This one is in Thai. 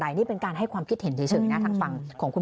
นี่เป็นการให้ความคิดเห็นเฉยนะทางฝั่งของคุณ